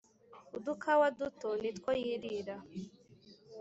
udukawa duto nitwo yirira